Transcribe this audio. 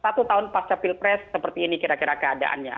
satu tahun pasca pilpres seperti ini kira kira keadaannya